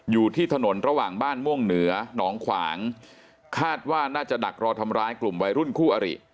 อยู่ที่ถนนระหว่างบ้านม่วงเหนือหนองขวางคาดว่าน่าจะดักรอทำร้ายกลุ่มวัยรุ่นคู่อริ